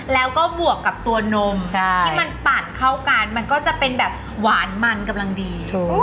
แล้วก็บวกกับตัวนมที่มันปั่นเข้ากันมันก็จะเป็นแบบหวานมันกำลังดี